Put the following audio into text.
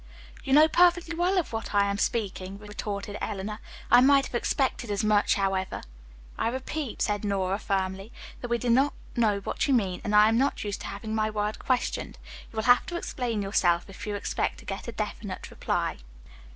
"You know perfectly well of what I am speaking," retorted Eleanor. "I might have expected as much, however." "I repeat," said Nora firmly, "that we do not know what you mean, and I am not used to having my word questioned. You will have to explain yourself if you expect to get a definite reply."